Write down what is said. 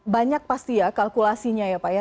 banyak pasti ya kalkulasinya ya pak ya